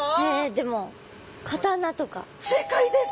でも正解です！